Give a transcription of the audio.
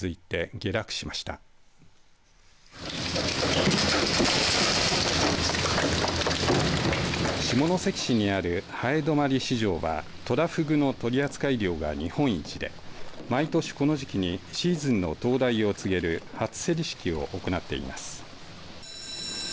下関市にある南風泊市場はトラフグの取り扱い量が日本一で毎年この時期にシーズンの到来を告げる初競り式を行っています。